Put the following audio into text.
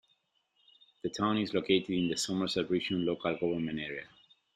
The town is located in the Somerset Region local government area.